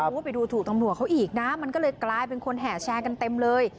โอ้โหไปดูถูกตำรวจเขาอีกนะมันก็เลยกลายเป็นคนแห่แชร์กันเต็มเลย